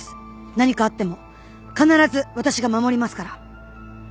何かあっても必ず私が守りますから！